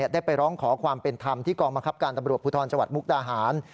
ได้ไปร้องขอความเป็นธรรมที่กองบังคับการตำรวจภูทรจังหวัดมุกดาหาร